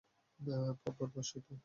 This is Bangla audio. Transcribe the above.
পাপ আর প্রায়শ্চিত্ত।